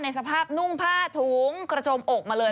สภาพนุ่งผ้าถุงกระจมอกมาเลย